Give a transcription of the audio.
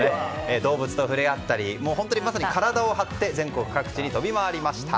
動物と触れ合ったりまさに体を張って全国各地に飛び回りました。